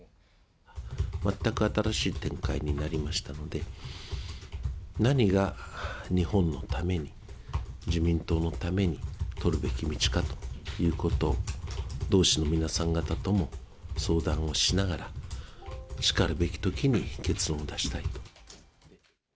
全く新しい展開になりましたので、何が日本のために、自民党のために取るべき道かということ、同志の皆さん方とも相談をしながら、しかるべきときに結論を出したいと。